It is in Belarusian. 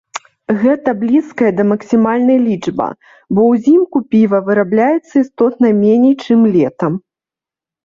Гэта блізкая да максімальнай лічба, бо ўзімку піва вырабляецца істотна меней, чым летам.